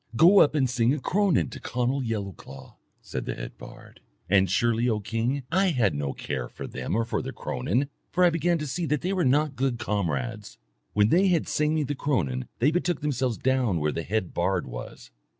Go up and sing a cronan to Conall Yellowclaw,' said the head bard. And surely, O king, I had no care for them or for their cronan, for I began to see that they were not good comrades. When they had sung me the cronan they betook themselves down where the head bard was.